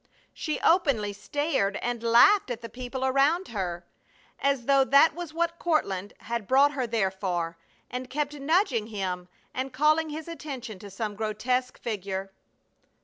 She openly stared and laughed at the people around her, as though that was what Courtland had brought her there for, and kept nudging him and calling his attention to some grotesque figure.